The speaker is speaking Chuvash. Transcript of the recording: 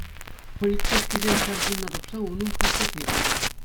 Полицейскисем ҫав ҫынна тупса унӑн хваттерне кайнӑ.